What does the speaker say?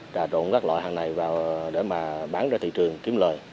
trà trộn các loại hàng này để bán ra thị trường kiếm lời